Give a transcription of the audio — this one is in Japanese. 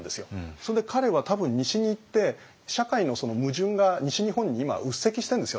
それで彼は多分西に行って社会の矛盾が西日本に今うっせきしてるんですよね。